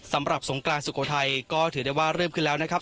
สำหรับสงกรานสุโขทัยก็ถือได้ว่าเริ่มขึ้นแล้วนะครับ